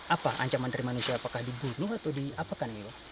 apa ancaman dari manusia apakah dibunuh atau diapakan ini